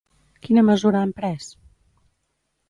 Quina mesura han pres?